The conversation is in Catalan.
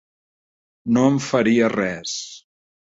No em faria res.